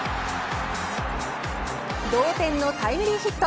同点のタイムリーヒット。